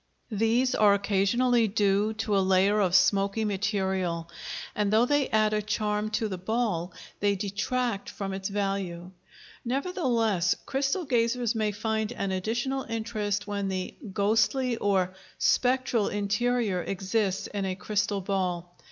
These are occasionally due to a layer of smoky material, and, though they add a charm to the ball, they detract from its value. Nevertheless, crystal gazers may find an additional interest when the "ghostly" or "spectral" interior exists in a crystal ball.